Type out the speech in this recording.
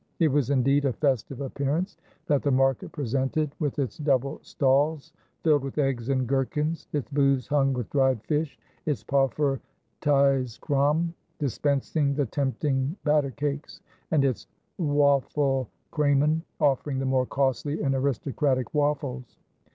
It was indeed a festive appearance that the market presented, with its double stalls filled with eggs and gherkins, its booths hung with dried fish, its poffertjeskraam dispensing the tempting batter cakes, and its wafelkraamen offering the more costly and aristocratic waffles.